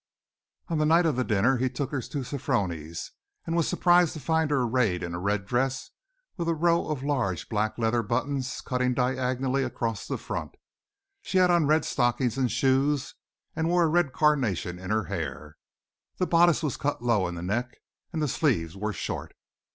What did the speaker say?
On the night of the dinner he took her to Sofroni's, and was surprised to find her arrayed in a red dress with a row of large black leather buttons cutting diagonally across the front. She had on red stockings and shoes and wore a red carnation in her hair. The bodice was cut low in the neck and the sleeves were short.